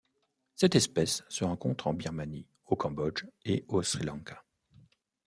Cette espèce se rencontre en Birmanie, au Cambodge et au Sri Lanka.